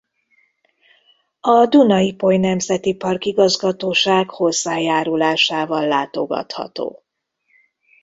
A Duna–Ipoly Nemzeti Park Igazgatóság hozzájárulásával látogatható.